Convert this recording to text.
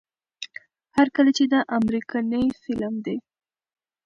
هر کله چې دا امريکنے فلم دے